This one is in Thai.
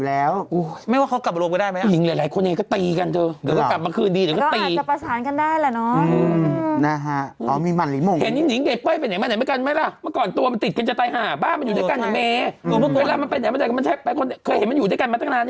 แล้วก็แข่งอีก๓คือแข่งหมดเลยทั้งจีนทั้งพุทธหาดอังคารพุทธหาด